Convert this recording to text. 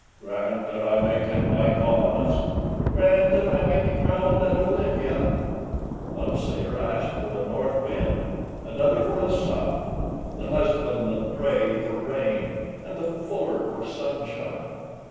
"Grant that I may get my cause!" "Grant that I may be crowned at Olympia!" One sailor asked for a north wind, another for a south; the husbandman prayed for rain, and the fuller for sunshine.